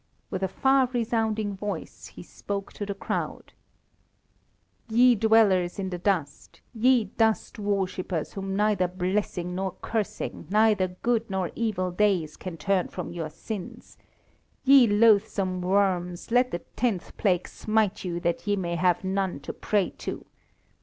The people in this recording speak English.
With a far resounding voice he spoke to the crowd "Ye dwellers in the dust! Ye dust worshippers, whom neither blessing, nor cursing, neither good nor evil days, can turn from your sins. Ye loathsome worms, let the tenth plague smite you that ye may have none to pray to.